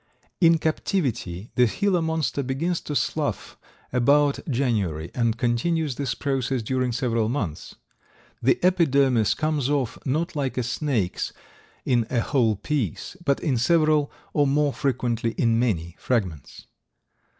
In captivity the Gila Monster begins to slough about January and continues this process during several months. The epidermis comes off not like a snake's, in a whole piece, but in several, or more frequently in many, fragments.